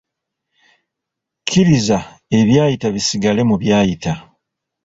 Kkiriza ebyayita bisigale mu byayita.